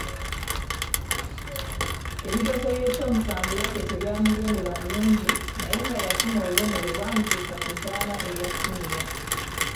Ebigezo by’ekyomusanvu Lucky tebyamugendera bulungi naye nga yafuna obubonero obumutuusa ku ddaala erya ssiniya.